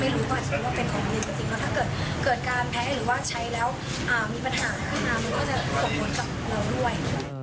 มันก็จะส่งบนกับเราด้วย